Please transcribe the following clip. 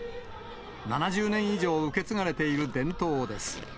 ７０年以上受け継がれている伝統です。